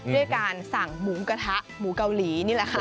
ด้วยการสั่งหมูกระทะหมูเกาหลีนี่แหละค่ะ